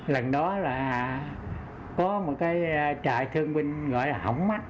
lần đó là có một cái trại thương binh gọi là hổng mách